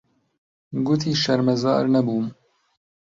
گوتی شەرمەزار نەبووم.